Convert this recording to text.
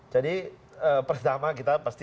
jadi pertama kita pasti